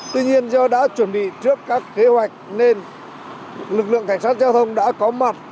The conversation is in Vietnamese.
tuy nhiên do đã chuẩn bị trước các kế hoạch nên lực lượng cảnh sát giao thông đã có mặt